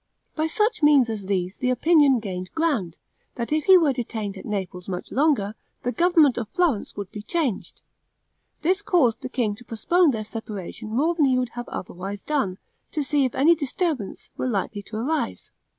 By such means as these the opinion gained ground, that if he were detained at Naples much longer, the government of Florence would be changed. This caused the king to postpone their separation more than he would have otherwise done, to see if any disturbance were likely to arise.